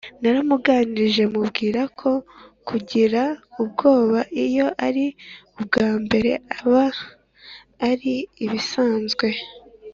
Naramuganirije mubwira ko kugira ubwoba iyo ari ubwa mbere aba ari ibisanzwe